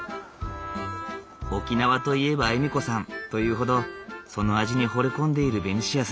沖縄といえば笑子さんというほどその味にほれ込んでいるベニシアさん。